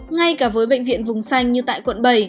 ngay cả với bệnh viện vùng xanh như tại quận bảy